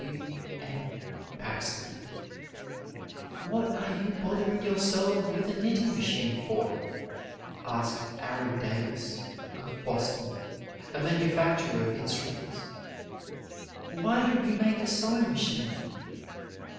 W. M. PAXTON. "What are you bothering yourselves with a knitting machine for?" asked Ari Davis, of Boston, a manufacturer of instruments; "why don't you make a sewing machine?"